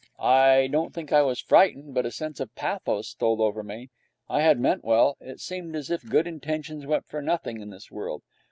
I don't think I was frightened, but a sense of pathos stole over me. I had meant so well. It seemed as if good intentions went for nothing in this world.